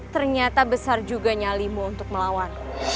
ternyata besar juga nyali mu untuk melawan